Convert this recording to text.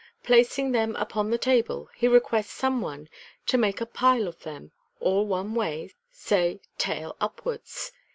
Plac ing them upon the table, he requests some one to make a pile of them, all one way, say "tail'' upwards.